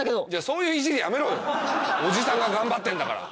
そういうイジりやめろよ！おじさんが頑張ってんだから！